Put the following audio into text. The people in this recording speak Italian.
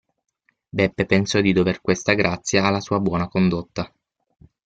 Beppe pensò di dover questa grazia alla sua buona condotta.